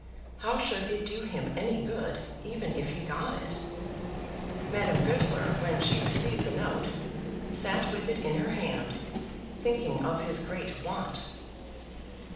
How should it do him any good, even if he got it? Madame Goesler, when she received the note, sat with it in her hand, thinking of his great want.